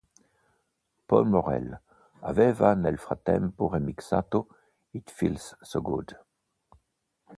Paul Morrell aveva nel frattempo remixato "It Feels So Good".